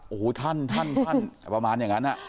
โอ้โหท่านท่านประมาณอย่างนั้น